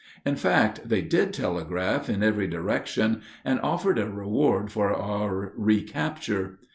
In fact, they did telegraph in every direction, and offered a reward for our recapture.